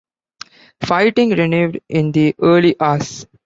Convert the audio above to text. Fighting renewed in the early hours.